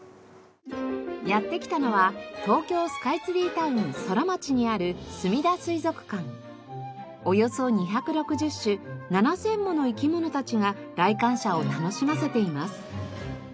やって来たのは東京スカイツリータウンソラマチにあるおよそ２６０種７０００もの生き物たちが来館者を楽しませています。